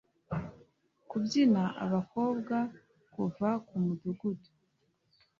kubyina abakobwa kuva kumudugudu